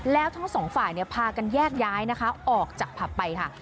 แล้วทั้งสองฝ่ายพากันแยกย้ายนะคะออกจากผับไปค่ะ